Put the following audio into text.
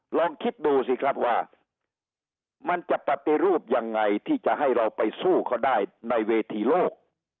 ลองคิดดูสิครับว่ามันจะปฏิรูปยังไงที่จะให้เราไปสู้เขาได้ในเวทีโลก